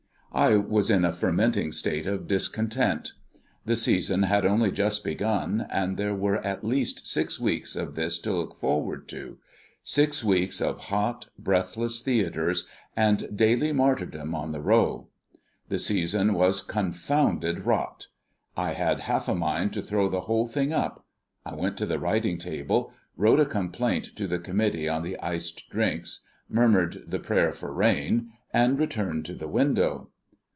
I was in a fermenting state of discontent. The season had only just begun, and there were at least six weeks of this to look forward to six weeks of hot, breathless theatres, and daily martyrdoms on the Row. The season was confounded rot. I had half a mind to throw the whole thing up. I went to the writing table, wrote a complaint to the committee on the iced drinks, murmured the prayer for rain, and returned to the window.